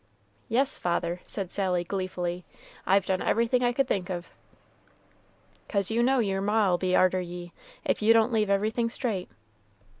"Yes, father," said Sally, gleefully, "I've done everything I could think of." "'Cause you know your ma'll be arter ye, if you don't leave everything straight."